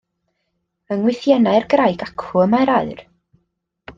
Yng ngwythiennau'r graig acw y mae aur.